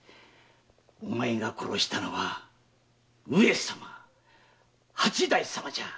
お前が殺したのは上様八代様じゃ。